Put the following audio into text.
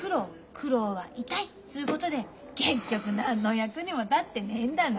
苦労は痛いっつうことで結局何の役にも立ってねえんだな